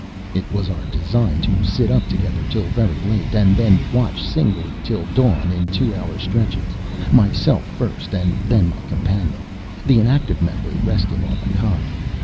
It was our design to sit up together till very late, and then watch singly till dawn in two hour stretches, myself first and then my companion; the inactive member resting on the cot.